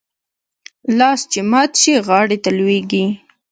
لاس چې مات شي ، غاړي ته لوېږي .